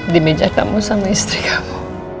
di meja kamu sama istri kamu